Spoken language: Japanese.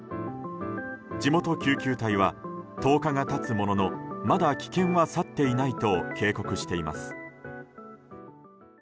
地元救急隊は１０日が経つもののまだ危険は去っていないと警告しています。